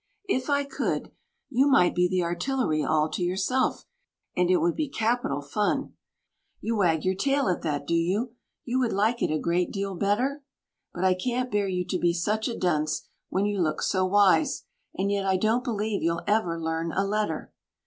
If I could, you might be the Artillery all to yourself, and it would be capital fun. You wag your tail at that, do you? You would like it a great deal better? But I can't bear you to be such a dunce, when you look so wise; and yet I don't believe you'll ever learn a letter.